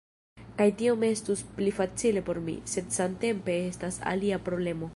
Kaj tiom estus pli facile por mi, sed samtempe estas alia problemo